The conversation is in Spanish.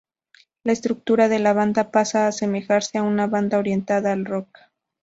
La estructura de la banda pasa a asemejarse a una banda orientada al rock.